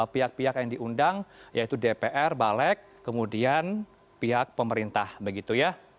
pihak pihak yang diundang yaitu dpr balik kemudian pihak pemerintah begitu ya